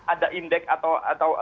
ada indeks atau